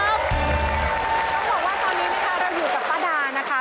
ต้องบอกว่าตอนนี้นะคะเราอยู่กับป้าดานะคะ